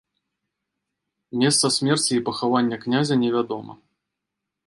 Месца смерці і пахавання князя невядома.